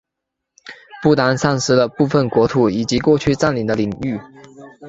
不丹丧失了部分国土以及过去占领的领域。